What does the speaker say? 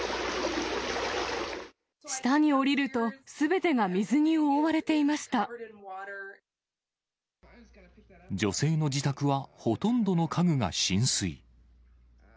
下に下りると、すべてが水に女性の自宅はほとんどの家具が浸水。